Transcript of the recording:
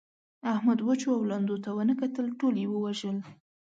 احمد وچو او لندو ته و نه کتل؛ ټول يې ووژل.